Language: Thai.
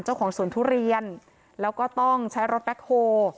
เจ้าของสวนทุเรียนแล้วก็ต้องใช้รถแบ็คโฮ